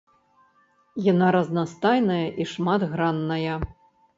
Яна разнастайная і шматгранная.